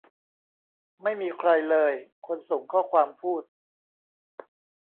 ไม่มีใครเลย คนส่งข้อความพูด